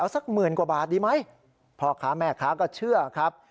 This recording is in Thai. สักหมื่นกว่าบาทดีไหมพ่อค้าแม่ค้าก็เชื่อครับ